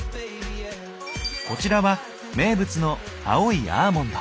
こちらは名物の青いアーモンド。